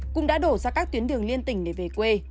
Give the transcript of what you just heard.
cũng đã đổ ra các tuyến đường liên tỉnh để về quê